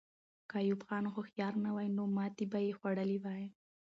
که ایوب خان هوښیار نه وای، نو ماتې به یې خوړلې وه.